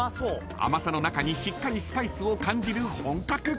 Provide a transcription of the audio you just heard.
［甘さの中にしっかりスパイスを感じる本格カレー］